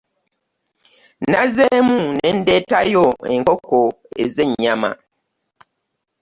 Nazzeemu ne ndeetayo enkoko ez'ennyama.